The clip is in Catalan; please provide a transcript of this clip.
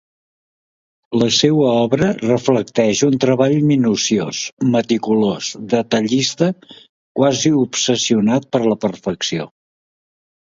La seua obra reflecteix un treball minuciós, meticulós, detallista, quasi obsessionat per la perfecció.